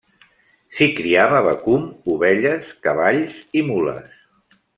S'hi criava vacum, ovelles, cavalls i mules.